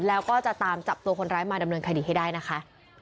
แล้วก็จะตามจับตัวคนร้ายมาดำเนินคดีให้ได้นะคะ